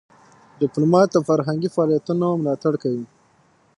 ډيپلومات له فرهنګي فعالیتونو ملاتړ کوي.